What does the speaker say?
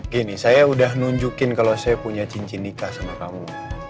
gini saya udah nunjukin kalau saya punya cincin nikah sama kamu